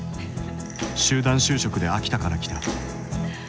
集団就職で秋田から来た。